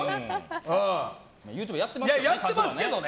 ＹｏｕＴｕｂｅやってますけどね。